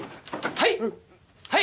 はい！